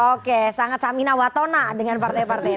oke sangat samina watona dengan partai partai itu